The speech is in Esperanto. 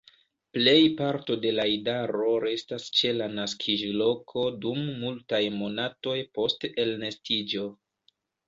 Plej parto de la idaro restas ĉe la naskiĝloko dum multaj monatoj post elnestiĝo.